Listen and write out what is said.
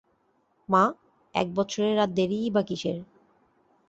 মা, এক বৎসরের আর দেরিই বা কিসের।